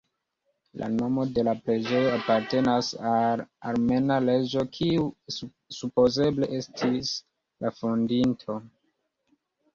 La nomo de la preĝejo apartenas al armena reĝo kiu supozeble estis la fondinto.